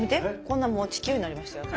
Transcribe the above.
こんなもう地球になりましたよ